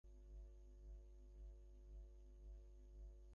তরবারিটা তোমায় বেছে নিয়েছে।